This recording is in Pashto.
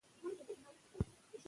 په ساړه کې عضلې ورو حرکت کوي.